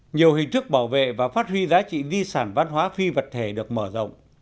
nhiều hình thức bảo vệ và phát huy giá trị di sản văn hóa phi vật thể được mở rộng